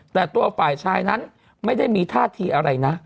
แต่ตัวฝ่ายชายนั้นไม่ได้มีท่าทีอะไรนะ